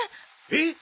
えっ！？